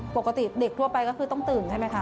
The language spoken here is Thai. ปกติเด็กทั่วไปก็คือต้องตื่นใช่ไหมคะ